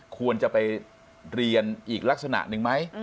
ควรจะไปเรียนอีกลักษณะหนึ่งไหม